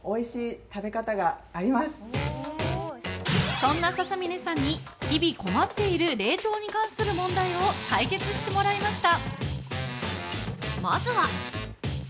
そんな笹嶺さんに、日々困っている冷凍に関する問題を解決してもらいました。